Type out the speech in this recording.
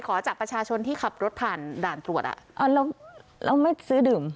จากประชาชนที่ขับรถผ่านด่านตรวจอ่ะอ๋อเราไม่ซื้อดื่ม